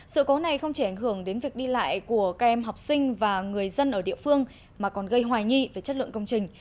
sự cố này không chỉ ảnh hưởng đến việc đi lại của các em học sinh và người dân ở địa phương mà còn gây hoài nghi về chất lượng công trình